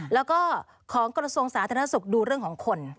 แล้วก็ของกระทรวงสาธารณสุขดูเรื่องของคน